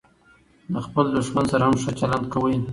له خپل دوښمن سره هم ښه چلند کوئ!